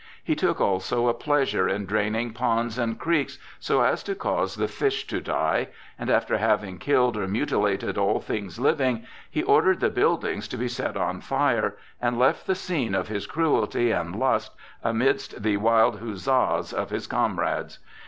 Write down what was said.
He took also a pleasure in draining ponds and creeks, so as to cause the fish to die, and after having killed or mutilated all things living, he ordered the buildings to be set on fire, and left the scene of his cruelty and lust amidst the wild huzzas of his comrades.